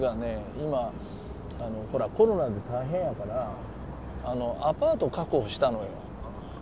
今ほらコロナで大変やからあのアパートを確保したのよ。